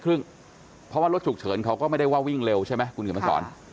เพราะว่ารถฉุกเฉินเขาก็ไม่ได้ว่าวิ่งเร็วใช่ไหมคุณเขียนมาสอน